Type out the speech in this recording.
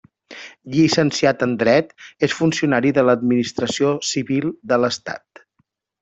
Llicenciat en dret, és funcionari de l'administració civil de l'Estat.